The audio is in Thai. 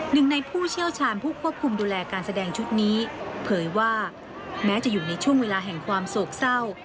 หนึ่งในผู้เชี่ยวชาญผู้ควบคุมดูแลการแสดงชุดนี้เผยว่าแม้จะอยู่ในช่วงเวลาแห่งความโศกเศร้า